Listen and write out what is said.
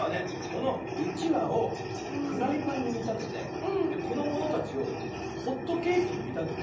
このうちわをフライパンにみたててこのものたちをホットケーキにみたててね